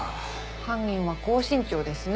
犯人は高身長ですね。